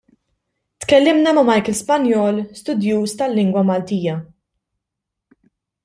Tkellimna ma' Michael Spagnol, studjuż tal-lingwa Maltija.